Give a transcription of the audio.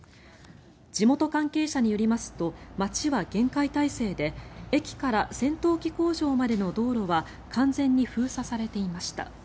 地元関係者によりますと街は厳戒態勢で駅から戦闘機工場までの道路は完全に封鎖されていました。